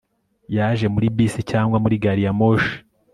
yaje muri bisi cyangwa muri gari ya moshi